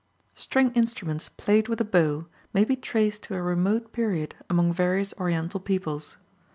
String instruments played with a bow may be traced to a remote period among various Oriental peoples.